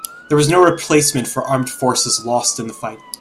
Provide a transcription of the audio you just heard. There was no replacement for armed forces lost in the fight.